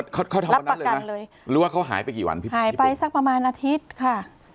เขาเขาทำวันนั้นเลยจังเลยหรือว่าเขาหายไปกี่วันพี่หายไปสักประมาณอาทิตย์ค่ะ